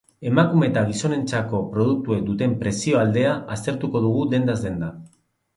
Emakume eta gizonentzako produktuek duten prezio aldea aztertuko dugu dendaz denda.